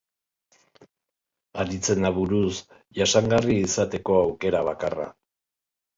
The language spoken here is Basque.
Aritzen aburuz, jasangarri izateko aukera bakarra.